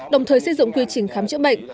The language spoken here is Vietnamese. đồng thời xây dựng quy trình khám chữa bệnh